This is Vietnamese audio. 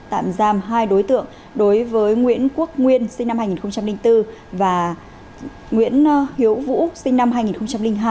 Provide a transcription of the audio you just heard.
tạm giam hai đối tượng đối với nguyễn quốc nguyên sinh năm hai nghìn bốn và nguyễn hiếu vũ sinh năm hai nghìn hai